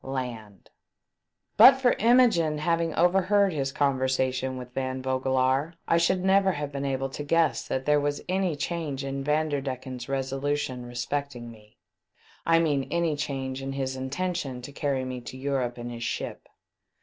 LAND. But for Imogene having overheard his con versation with Van Vogelaar, I should ne\^er have been able to guess that there was any change in Vandcrdeckcn's resolution respect LAND. 443 ing me ; I mean any change in his intention to carry me to Europe in his ship.